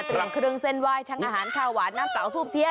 เครื่องเส้นไหว้ทั้งอาหารข้าวหวานน้ำเต๋าทูบเทียน